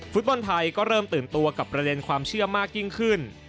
ฟุตบอลไทยก็เริ่มตื่นตัวกับประเด็นความเชื่อมากยิ่งขึ้น